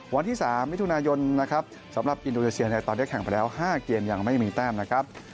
วันที่๓มิถุนายนนะครับสำหรับอินโดนีเซียในตอนนี้แข่งไปแล้ว๕เกมยังไม่มีแต้มนะครับ